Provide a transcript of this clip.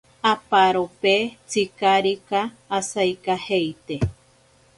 Aparope tsikarika asaikajeite.